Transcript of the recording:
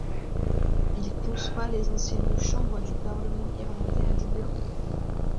Il conçoit les anciennes Chambres du Parlement Irlandais à Dublin.